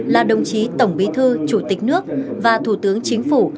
là đồng chí tổng bí thư chủ tịch nước và thủ tướng chính phủ